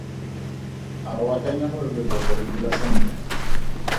A o akanya gore leboko le dira sentle?